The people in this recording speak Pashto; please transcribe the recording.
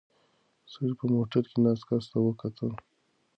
سړي په موټر کې ناست کس ته وکتل.